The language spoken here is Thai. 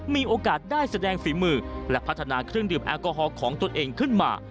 มีโอกาสได้แสดงฝีมือและพัฒนาเครื่องดื่มแอลกอฮอลของตัวเองขึ้นมา